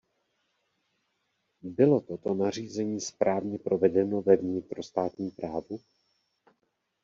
Bylo toto nařízení správně provedeno ve vnitrostátním právu?